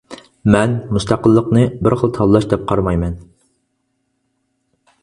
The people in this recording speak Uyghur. مەن مۇستەقىللىقنى بىر خىل تاللاش دەپ قارىمايمەن.